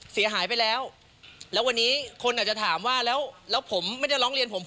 เสียหายไปแล้วแล้ววันนี้คนอาจจะถามว่าแล้วแล้วผมไม่ได้ร้องเรียนผม